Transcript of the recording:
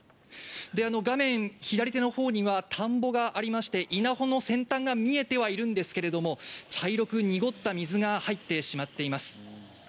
画面左手のほうには田んぼがありまして、稲穂の先端が見えてはいるんですけれども、茶色く濁った水が入ってしまっています。